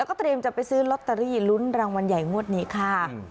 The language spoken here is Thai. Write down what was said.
แล้วก็เตรียมจะไปซื้อลอตเตอรี่ลุ้นรางวัลใหญ่งวดนี้ค่ะ